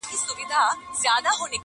• لوی څښتن مي دی د رزق پوروړی,